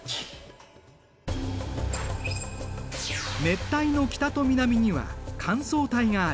熱帯の北と南には乾燥帯がある。